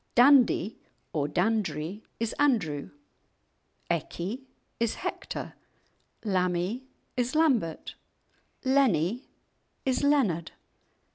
"Dandie" or "Dandrie" is "Andrew," "Eckie" is "Hector," "Lammie" is "Lambert," "Lennie" is "Leonard."